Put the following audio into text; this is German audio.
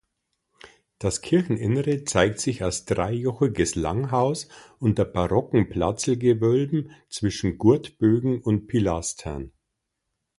Das Kircheninnere zeigt sich als dreijochiges Langhaus unter barocken Platzlgewölben zwischen Gurtbögen und Pilastern.